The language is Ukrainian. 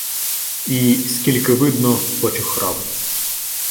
І, скілько видно, почухрав.